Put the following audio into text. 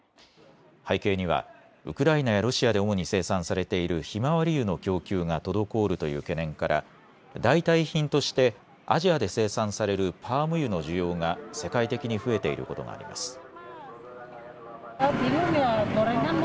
背景にはウクライナやロシアで主に生産されているひまわり油の供給が滞るという懸念から代替品としてアジアで生産されるパーム油の需要が世界的に増えていることがあります。